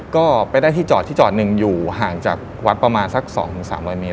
ก็ไปได้ที่จอดที่จอดหนึ่งอยู่ห่างจากวัดประมาณสัก๒๓๐๐เมตร